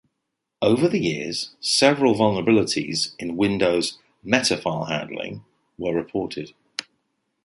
Over the years several vulnerabilities in Windows Metafile handling were reported.